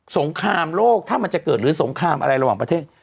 งครามโลกถ้ามันจะเกิดหรือสงครามอะไรระหว่างประเทศ